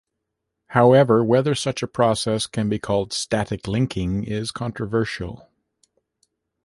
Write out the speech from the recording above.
However, whether such a process can be called "static linking" is controversial.